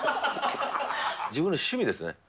自分の趣味ですね。